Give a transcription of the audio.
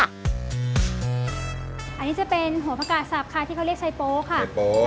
อันนี้จะเป็นหัวประกาศสับค่ะที่เขาเรียกชายโป๊ค่ะ